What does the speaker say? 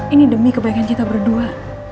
ini demi kebaikan kita berdua